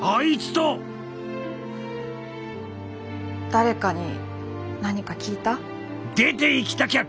誰かに何か聞いた？